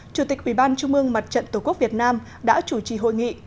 chủ tịch ubnd mặt trận tổ quốc việt nam đã chủ trì hội nghị